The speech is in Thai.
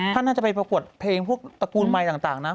ท่านน่าจะไปประกวดเพลงพวกตระกูลไมค์ต่างนะ